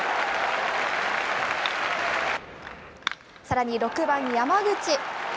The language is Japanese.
さらに６番山口。